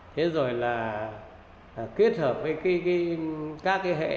thế rồi là kết hợp với các cái hệ